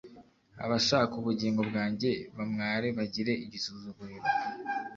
Abashaka ubugingo bwanjye bamware bagire igisuzuguriro